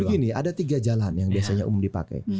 begini ada tiga jalan yang biasanya umum dipakai